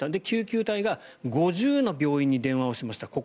救急隊が５０の病院に電話をしました。